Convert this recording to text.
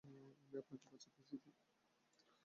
আমি আপনাকে বাঁচাতে এসেছি!